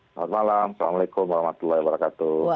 selamat malam assalamualaikum wr wb